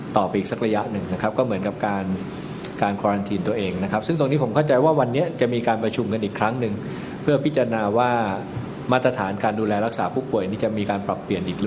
ที่จะมีการปรับเปลี่ยนอีกหรือเปล่านะครับ